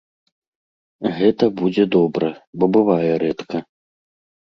Гэта будзе добра, бо бывае рэдка.